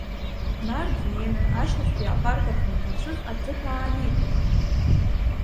Нар днеины ашьҭахьтәи апартаҟны иҭацәыз аҭыԥ ааникылт.